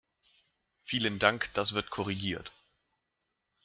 Vielen Dank, das wird korrigiert.